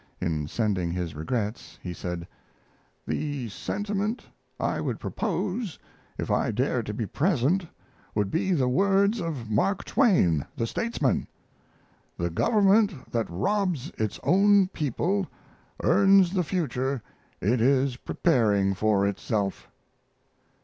In sending his regrets he said: The sentiment I would propose if I dared to be present would be the words of Mark Twain, the statesman: "The government that robs its own people earns the future it is preparing for itself."